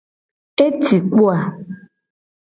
Eci kpo a?